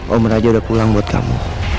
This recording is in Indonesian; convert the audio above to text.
om raja udah pulang buat kamu